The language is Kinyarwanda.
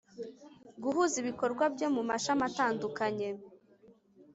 Guhuza ibikorwa byo mu mashami atandukanye